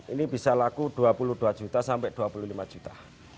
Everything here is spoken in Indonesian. ini bisa laku dua puluh dua juta sampai dua puluh lima juta